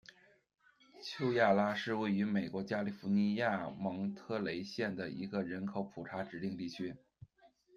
丘亚拉是位于美国加利福尼亚州蒙特雷县的一个人口普查指定地区。